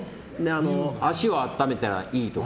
足を温めたらいいとか。